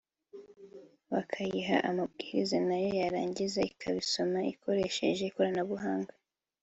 bakayiha amabwiriza (Commandes) nayo yarangiza ikabisoma ikoresheje ikoranabuhanga